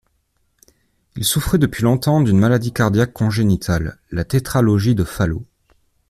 Il souffrait depuis longtemps d’une maladie cardiaque congénitale, la tétralogie de Fallot.